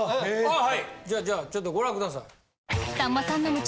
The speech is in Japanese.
はいじゃあじゃあちょっとご覧ください。